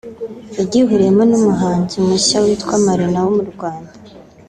yagihuriyemo n’umuhanzi mushya witwa Marina wo mu Rwanda